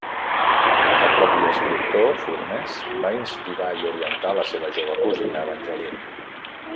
El propi escriptor, Furness, va inspirar i orientar la seva jove cosina Evangeline.